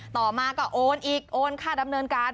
ต่อมาก็โอนอีกโอนค่าดำเนินการ